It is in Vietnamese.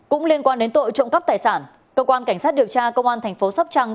cũng liên quan đến tội trộm cắp tài sản cơ quan cảnh sát điều tra công an thành phố sóc trăng